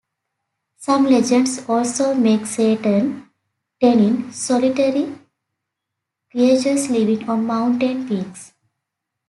Some legends also make certain "tennin" solitary creatures living on mountain peaks.